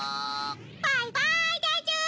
バイバイでちゅ！